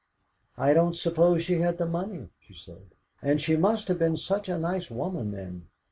"I don't suppose she had the money," she said; "and she must have been such a nice woman then.